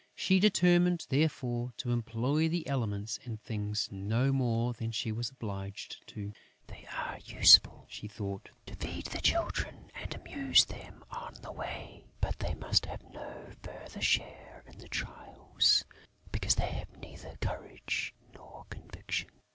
She determined, therefore, to employ the Elements and Things no more than she was obliged to: "They are useful," she thought, "to feed the children and amuse them on the way; but they must have no further share in the trials, because they have neither courage nor conviction."